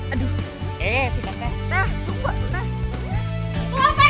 aduh eh si kakak